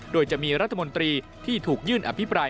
โดยจะมีรัฐมนตรีที่ถูกยื่นอภิปราย